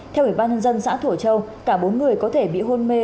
theo ủy ban nhân dân xã thủa châu cả bốn người có thể bị hôn mê